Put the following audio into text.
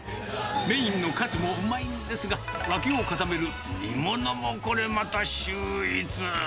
メインのカツもうまいんですが、脇を固める煮物もこれまた秀逸。